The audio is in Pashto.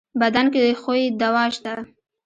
بدن کې خو يې دوا شته.